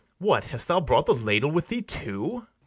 What, hast thou brought The ladle with thee too?